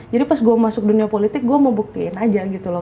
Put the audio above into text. jadi pas gue masuk dunia politik gue mau buktiin aja gitu loh